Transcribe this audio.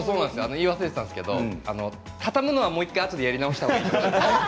言い忘れてたんですけど畳むのはあとでもう１回やり直したほうがいいです。